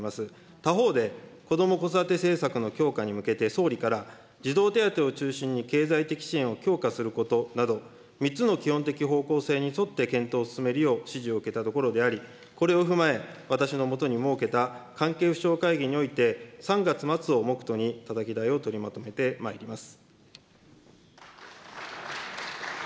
他方で、こども・子育て政策の強化に向けて、総理から児童手当を中心に経済的支援を強化することなど、３つの基本的方向性に沿って検討を進めるよう指示を受けたところであり、これを踏まえ、私のもとに設けた関係府省会議において、３月末を目途に、たたき台を取りまとめてまいります。